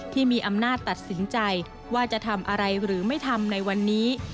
ที่มีอำนาจตัดสินใจว่าจะทำอะไรหรือไม่ทำในวันนี้